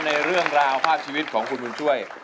ในเรื่องราวภาพชีวิตของคุณบุญช่วย